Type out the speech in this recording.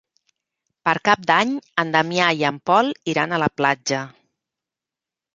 Per Cap d'Any en Damià i en Pol iran a la platja.